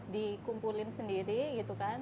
dikumpulin sendiri gitu kan